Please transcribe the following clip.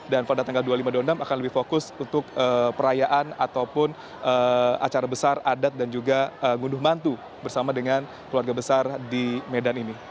dan pada tanggal dua puluh lima november akan lebih fokus untuk perayaan ataupun acara besar adat dan juga gunduh mantu bersama dengan keluarga besar di medan ini